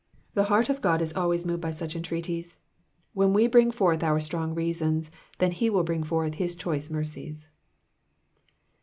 The heart of God is always moved by such entreaties. When we bring forth our strong reasons, then will he bring forth his choice mercies.